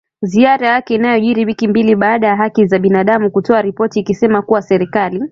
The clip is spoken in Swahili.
Ziara yake inajiri wiki mbili baada ya haki za binadamu kutoa ripoti ikisema kuwa serikali